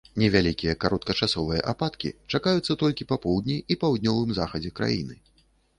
Невялікія кароткачасовыя ападкі чакаюцца толькі па поўдні і паўднёвым захадзе краіны.